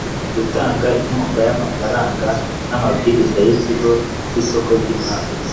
gutanga inkunga y amafaranga n amabwiriza y ikigo cy isoko ry imari